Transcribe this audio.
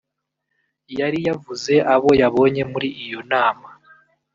yari yavuze abo yabonye muri iyo nama